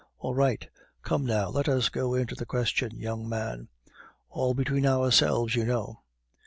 All right. Come, now, let us go into the question, young man; all between ourselves, you know.